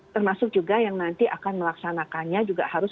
termasuk juga yang nanti akan melaksanakannya juga harus